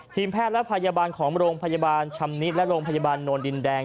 แพทย์และพยาบาลของโรงพยาบาลชำนิและโรงพยาบาลโนนดินแดง